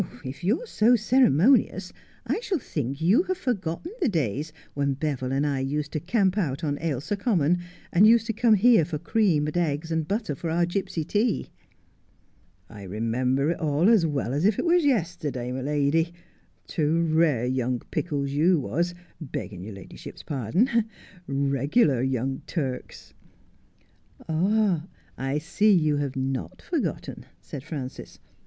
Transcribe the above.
If you are so ceremonious I shall think you have forgotten the days when Beville and I used to camp out on Ailsa Common, and used to come here for cream and eggs and butter for our gipsy tea.' ' I remember it all as well as if it was yesterday, my lady — two rare young pickles you was, begging your ladyship's pardon — regular young Turks.' ' Ah, I see you have not forgotten,' said Frances.